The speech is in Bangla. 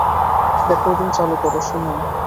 রেকর্ডিং চালু কর, শুনুন।